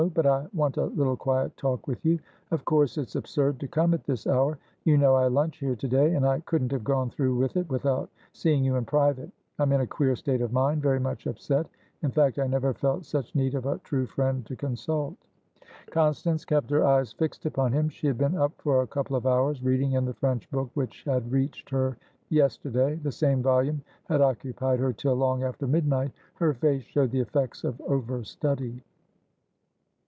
But I want a little quiet talk with you. Of course it's absurd to come at this hour. You know I lunch here to day, and I couldn't have gone through with it without seeing you in private. I'm in a queer state of mind; very much upset; in fact, I never felt such need of a true friend to consult." Constance kept her eyes fixed upon him. She had been up for a couple of hours, reading in the French book which had reached her yesterday. The same volume had occupied her till long after midnight. Her face showed the effects of over study.